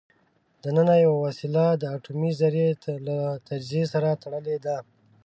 دننه یوه وسیله د اټومي ذرې له تجزیې سره تړلې ده.